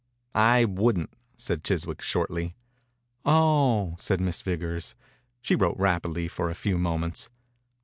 «I wouldn't," said Chiswick, shortly. « Oh I " said Miss Vickers. She wrote rapidly for a few moments.